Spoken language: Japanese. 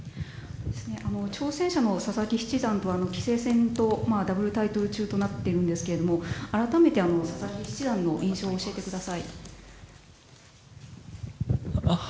挑戦者の佐々木七段と棋聖戦と、ダブルタイトル中となっているんですが改めて佐々木七段の印象を教えてください。